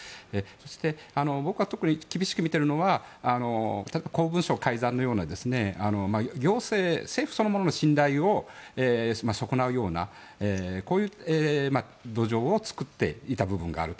そして、僕が特に厳しく見ているのは公文書改ざんのような行政や政府そのものの信頼を損なうような土壌を作っていた部分がある。